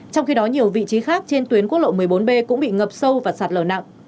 trong khi đó nhiều vị trí khác trên tuyến quốc lộ một mươi bốn b cũng bị ngập sâu và sạt lở nặng